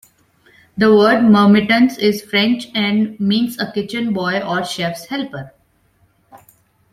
The word "Marmitons" is French and means a kitchen boy, or chef's helper.